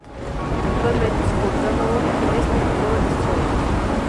Actualmente su portador es Doctor Strange.